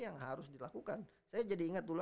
yang harus dilakukan saya jadi ingat dulu